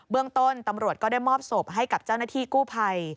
เรื่องต้นตำรวจก็ได้มอบศพให้กับเจ้าหน้าที่กู้ภัย